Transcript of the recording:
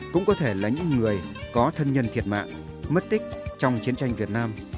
cũng có thể là những người có thân nhân thiệt mạng mất tích trong chiến tranh việt nam